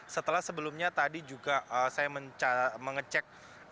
setelah sebelumnya tadi juga saya mengecek indeks kualitas udara